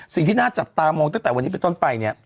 สิ่งที่น่าจับตามองตั้งแต่วันนี้เป็นต้นไปเนี่ย